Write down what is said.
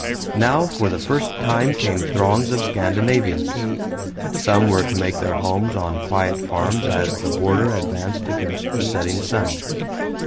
Now for the first time came throngs of Scandinavians. Some were to make their homes on quiet farms as the border advanced against the setting sun.